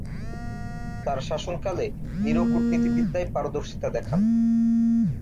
তার শাসনকালে নিরো কূটনীতিবিদ্যায় পারদর্শীতা দেখান।